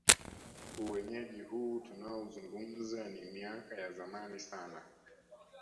Uenyeji huu tunaouzungumza ni miaka ya zamani sana